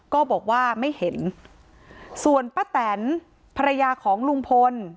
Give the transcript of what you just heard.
ก็บอกว่าไม่เห็นส่วนป้าแตนภรรยาของลุงพล